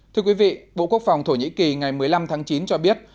thưa quý vị bộ quốc phòng thổ nhĩ kỳ ngày một mươi năm tháng chín cho biết